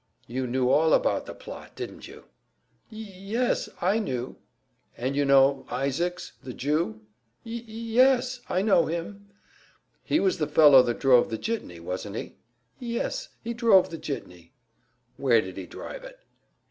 "You knew all about the plot, didn't you?" "Y y yes, I knew." "And you know Isaacs, the Jew?" "Y y yes, I know him." "He was the fellow that drove the jitney, wasn't he?" "Y y yes, he drove the jitney." "Where did he drive it?"